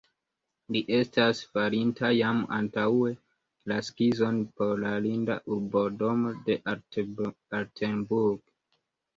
Li estis farinta jam antaŭe la skizon por la linda urbodomo de Altenburg.